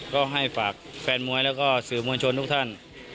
ก็ให้ฝากแฟนมวยแล้วก็สื่อมวลชนทุกท่าน